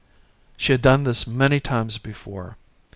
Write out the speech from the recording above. She had done this many times before.